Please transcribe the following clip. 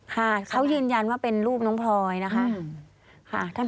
ค่ะเขายืนยันว่าเป็นรูปน้องพลอยนะคะ